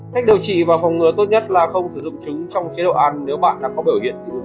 cách điều trị và phòng ngừa tốt nhất là không sử dụng trứng trong chế độ ăn nếu bạn đã có biểu hiện dị ứng trứng